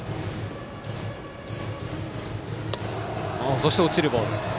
そして落ちるボール。